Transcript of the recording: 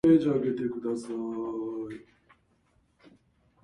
水の呼吸伍ノ型干天の慈雨（ごのかたかんてんのじう）